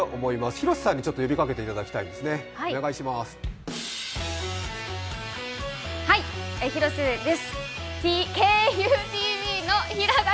広瀬さんに呼びかけていただきたいですね、お願いします。